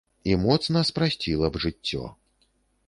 І моцна спрасціла б жыццё.